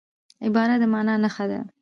عبارت د مانا نخښه ده.